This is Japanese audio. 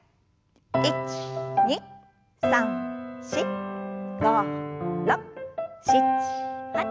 １２３４５６７８。